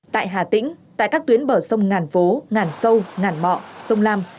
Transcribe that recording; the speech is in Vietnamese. tại hà tĩnh tại các tuyến bờ sông ngàn phố ngàn sâu ngàn mọ sông lam